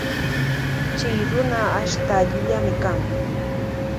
Chy runa ashta llullami kan.